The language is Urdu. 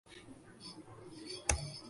اتنا خوفناک تھا کہ اداکارہ کی